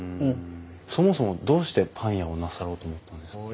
そもそもどうしてパン屋をなさろうと思ったんですか？